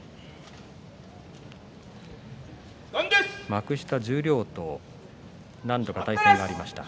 幕下十両と何度か対戦がありました。